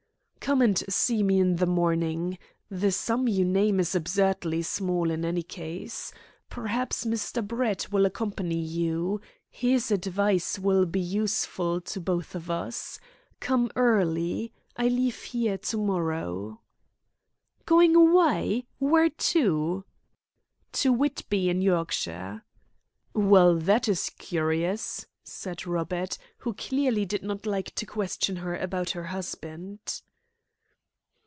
"Come and see me in the morning. The sum you name is absurdly small, in any case. Perhaps Mr. Brett will accompany you. His advice will be useful to both of us. Come early. I leave here to morrow." "Going away! Where to?" "To Whitby, in Yorkshire." "Well, that is curious," said Robert, who clearly did not like to question her about her husband.